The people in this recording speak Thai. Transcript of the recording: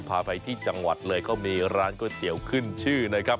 เขามีร้านก๋วยเตี๋ยวขึ้นชื่อหน่อยครับ